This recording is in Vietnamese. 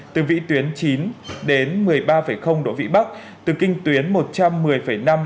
từ vị tuyến chín đến một mươi ba độ vĩ bắc từ kinh tuyến một trăm một mươi năm đến một trăm một mươi sáu năm độ kinh đông